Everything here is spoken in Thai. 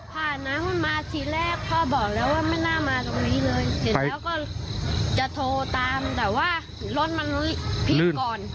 ผ่านน้ำมันมาทีแรกพ่อบอกแล้วว่าไม่น่ามาตรงนี้เลยเสร็จแล้วก็จะโทรตามแต่ว่ารถมันพลิกก่อน